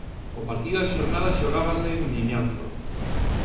O partido da xornada xogábase en Vimianzo.